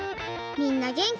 みんなげんき？